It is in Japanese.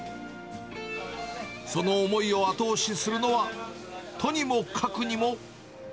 その思いを後押しするのは、とにもかくにも。